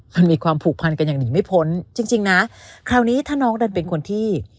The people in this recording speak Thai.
มันมีความผูกพันกันอย่างหนีไม่พ้นจริงนะคราวนี้ถ้าน้องดันเป็นคนที่